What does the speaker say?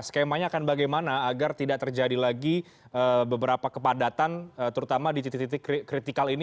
skemanya akan bagaimana agar tidak terjadi lagi beberapa kepadatan terutama di titik titik kritikal ini